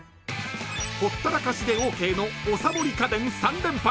［ほったらかしでＯＫのおさぼり家電３連発］